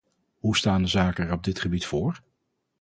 Hoe staan de zaken er op dit gebied voor?